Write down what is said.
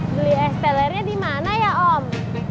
beli es telernya di mana ya om